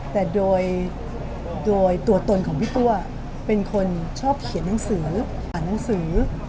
แต่โดยตัวตนของพี่ตัวเป็นคนชอบเขียนหนังสืออ่านหนังสือ